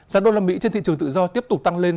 giá đô la mỹ trên thị trường tự do tiếp tục tăng lên